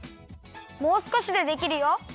もうすこしでできるよ。